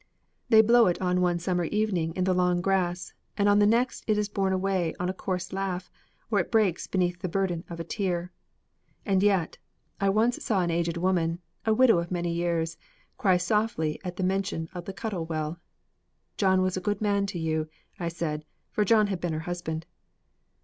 They blow it on one summer evening in the long grass, and on the next it is borne away on a coarse laugh, or it breaks beneath the burden of a tear. And yet I once saw an aged woman, a widow of many years, cry softly at mention of the Cuttle Well. "John was a good man to you," I said, for John had been her husband.